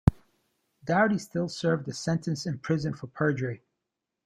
Dowdy still served a sentence in prison for perjury.